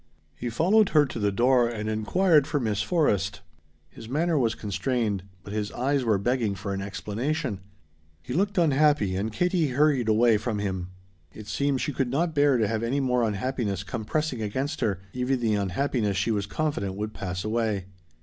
He followed her to the door and inquired for Miss Forrest. His manner was constrained, but his eyes were begging for an explanation. He looked unhappy, and Katie hurried away from him. It seemed she could not bear to have any more unhappiness come pressing against her, even the unhappiness she was confident would pass away.